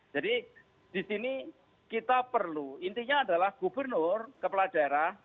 jadi di sini kita perlu intinya adalah gubernur kepala daerah